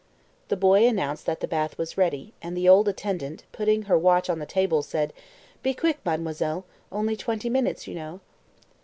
The boy announced that the bath was ready, and the old attendant, putting her watch on the table, said "Be quick, mademoiselle. Only twenty minutes, you know."